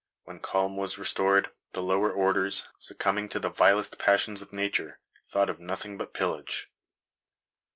When calm was restored, the lower orders, succumbing to the vilest passions of nature, thought of nothing but pillage."